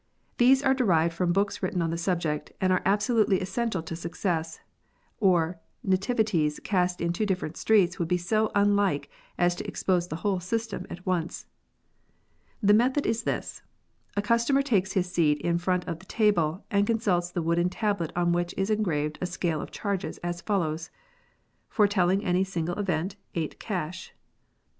These are derived from books written on the subject, and are absolutely essential to success, or nativities cast in two different streets would be so unlike as to expose the whole system at once. The method is this. A customer takes his seat in front of the table and con sults the wooden tablet on which is engraved a scale of charges as follows :— ForeteUing any single event, ... 8 cash.